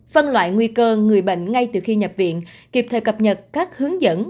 phân loại nguy cơ người bệnh ngay từ khi nhập viện kịp thời cập nhật các hướng dẫn